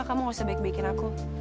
kamu nggak usah baik baikin aku